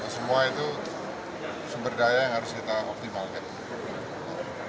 semua itu sumber daya yang harus kita optimalkan